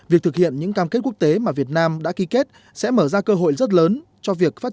việc thực hiện những cam kết quốc tế mà việt nam đã ký kết sẽ mở ra cơ hội rất lớn cho việc phát